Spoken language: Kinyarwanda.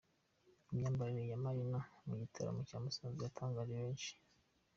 Imyabarire ya Marina mu gitaramo i Musanze yatangaje benshi.